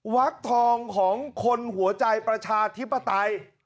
วักทองของคนหัวใจประชาธิปไตย